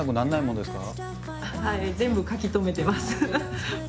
はい全部書き留めてます。